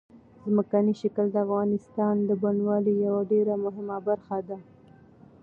ځمکنی شکل د افغانستان د بڼوالۍ یوه ډېره مهمه برخه ده.